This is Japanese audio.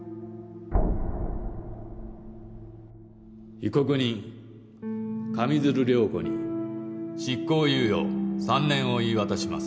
・被告人上水流涼子に執行猶予３年を言い渡します。